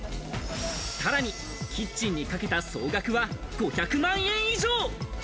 さらにキッチンにかけた総額は５００万円以上。